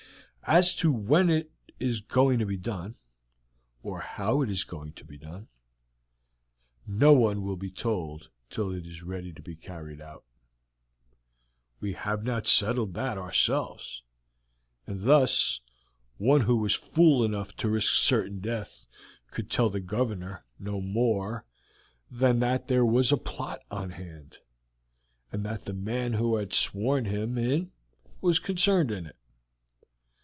As to when it is going to be done, or how it is going to be done, no one will be told till it is ready to be carried out. We have not settled that ourselves, and thus one who was fool enough to risk certain death could tell the Governor no more than that there was a plot on hand, and that the man who had sworn him in was concerned in it."